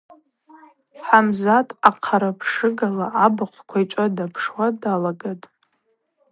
Хӏамзат ахъарапшыгала Абыхъв Квайчӏва дапшуа далагатӏ.